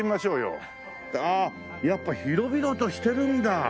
あっやっぱ広々としてるんだ。